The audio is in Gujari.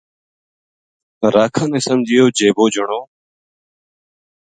راکھاں نے سمجھیو جے یوہ جنو